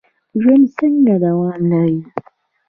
ژوند څنګه دوام لري؟